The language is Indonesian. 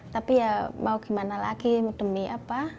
tapi ya mau gimana lagi demi apa